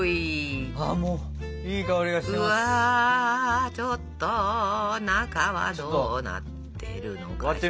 うわちょっと中はどうなってるのかしら？